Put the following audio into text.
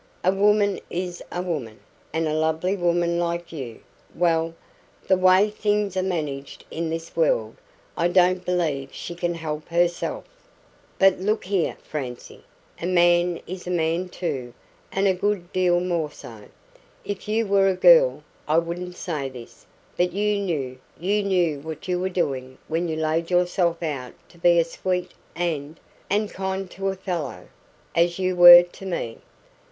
A woman is a woman; and a lovely woman like you well, the way things are managed in this world, I don't believe she can help herself. But look here, Francie, a man is a man too, and a good deal more so. If you were a girl, I wouldn't say this; but you knew you knew what you were doing when you laid yourself out to be sweet and and kind to a fellow, as you were to me.